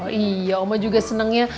oh iya oma juga senang ya